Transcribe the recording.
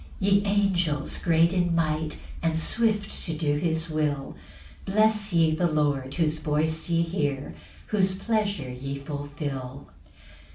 2 Ye angels great in might, And swift to do his will, Bless ye the Lord, whose voice ye hear, Whose pleasure ye fulfil.